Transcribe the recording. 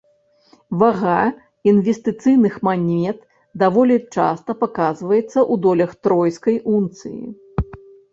Вага інвестыцыйных манет даволі часта паказваецца ў долях тройскай унцыі.